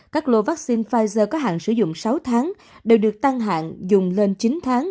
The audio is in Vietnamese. các lô vaccine pfizer có hạn sử dụng sáu tháng đều được tăng hạng dùng lên chín tháng